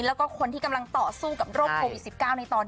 แล้วก็คนที่กำลังต่อสู้กับโรคโควิด๑๙ในตอนนี้